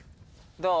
どう？